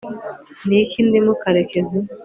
ni iki ndimo karekezi